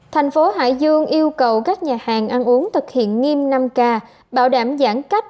tp hải dương yêu cầu các nhà hàng ăn uống thực hiện nghiêm năm k bảo đảm giãn cách